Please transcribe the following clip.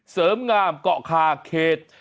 เสริมงามเกาะคาเขต